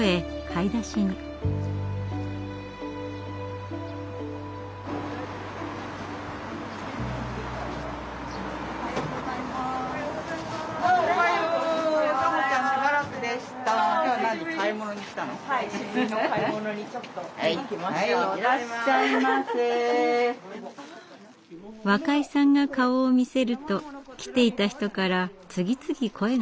若井さんが顔を見せると来ていた人から次々声がかかります。